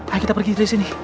ayo kita pergi ke sini